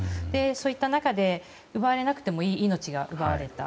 そういった中で奪われなくてもいい命が奪われた。